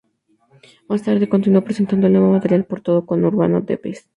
Más tarde continuó presentando el nuevo material por todo el conurbano de Bs.